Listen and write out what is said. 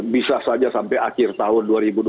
bisa saja sampai akhir tahun dua ribu dua puluh